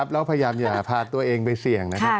แล้วพยายามอย่าพาตัวเองไปเสี่ยงนะครับ